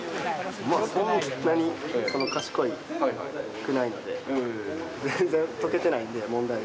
そんなに賢くないんで、全然解けてないんで、問題が。